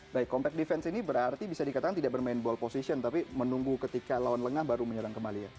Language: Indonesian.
baik compact defense ini berarti bisa dikatakan tidak bermain ball position tapi menunggu ketika lawan lengah baru menyerang kembali ya